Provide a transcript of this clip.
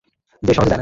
যে সহজে যায় না।